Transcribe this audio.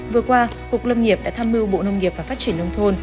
vừa qua cục lâm nghiệp đã tham mưu bộ nông nghiệp và phát triển nông thôn